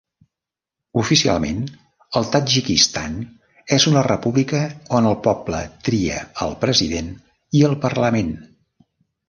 Oficialment, el Tadjikistan és una república on el poble tria el president i el parlament.